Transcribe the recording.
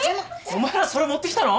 お前らそれ持ってきたの？